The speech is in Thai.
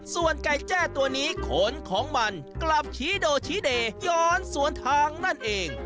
ส่วนไก่แจ้ตัวนี้ขนของมันกลับชี้โดชี้เดย้อนสวนทางนั่นเอง